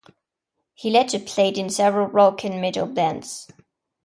He later played in several rock and metal bands.